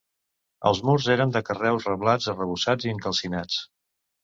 Els murs eren de carreus reblats, arrebossats i encalcinat.